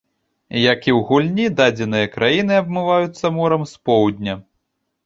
Як і ў гульні, дадзеныя краіны абмываюцца морам з поўдня.